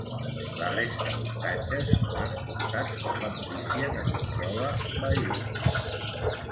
La resta d'ostatges són transportats per la milícia que controla Beirut.